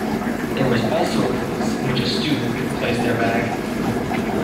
There was also a place in which a student could place their bag.